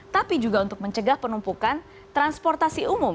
tapi juga untuk mencegah penumpukan transportasi umum